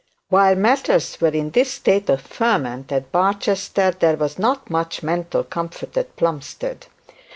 While matters were in this state of ferment at Barchester, there was not much mental comfort at Plumstead.